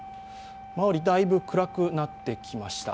周りだいぶ暗くなってきました。